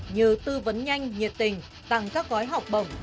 như tư vấn nhanh nhiệt tình tặng các gói học bổng